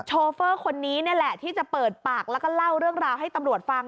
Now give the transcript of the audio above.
โชเฟอร์คนนี้นี่แหละที่จะเปิดปากแล้วก็เล่าเรื่องราวให้ตำรวจฟัง